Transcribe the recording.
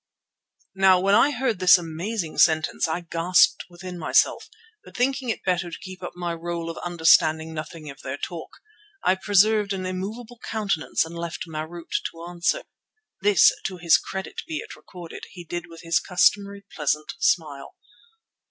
Now when I heard this amazing sentence I gasped within myself, but thinking it better to keep up my rôle of understanding nothing of their talk, I preserved an immovable countenance and left Marût to answer. This, to his credit be it recorded, he did with his customary pleasant smile.